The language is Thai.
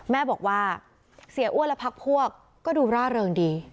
แม่บอกว่าเสียอ้วนและพักพวกก็ดูร่าเริงดี